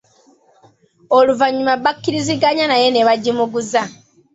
Oluvannyuma bakkirizaganya naye, ne bagimuguza.